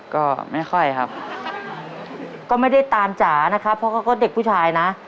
ก็ไม่ค่อยครับก็ไม่ได้ตามจ๋านะครับเพราะเขาก็เด็กผู้ชายนะ